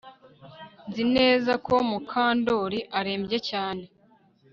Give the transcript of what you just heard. Nzi neza ko Mukandoli arembye cyane